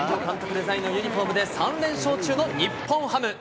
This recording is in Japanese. デザインのユニホームで３連勝中の日本ハム。